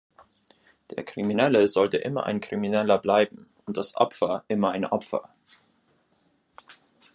Der Kriminelle sollte immer ein Krimineller bleiben, und das Opfer immer ein Opfer.